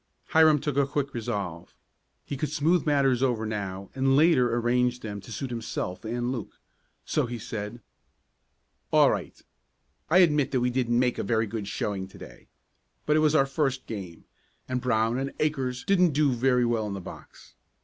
Hiram took a quick resolve. He could smooth matters over now, and later arrange them to suit himself and Luke. So he said: "All right, I admit that we didn't make a very good showing to day. But it was our first game, and Brown and Akers didn't do very well in the box.